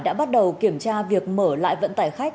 đã bắt đầu kiểm tra việc mở lại vận tải khách